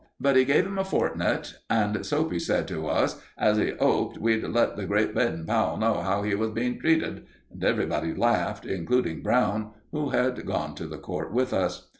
But he gave him a fortnight, and Soapy said to us as he 'oped we'd let the great Baden Powell know how he was being treated; and everybody laughed, including Brown, who had gone to the court with us.